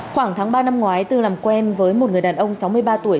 khoảng tháng ba năm ngoái tư làm quen với một người đàn ông sáu mươi ba tuổi